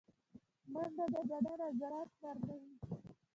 منډه د بدن عضلات نرموي